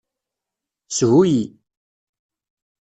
Shu-iyi.